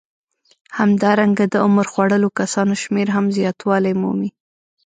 همدارنګه د عمر خوړلو کسانو شمېر هم زیاتوالی مومي